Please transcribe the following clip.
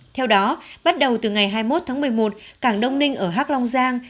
theo đó bắt đầu từ ngày hai mươi một tháng một mươi một cảng đông ninh ở hóc long giang